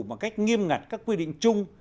bằng cách nghiêm ngặt các quy định chung